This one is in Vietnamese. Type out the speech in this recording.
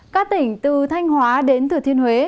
các tỉnh từ thanh hóa đến thừa thiên huế